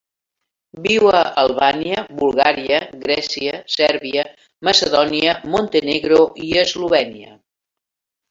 Viu a Albània, Bulgària, Grècia, Sèrbia, Macedònia, Montenegro i Eslovènia.